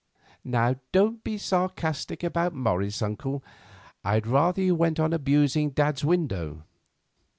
"Now, don't be sarcastic about Morris, uncle; I'd rather you went on abusing dad's window."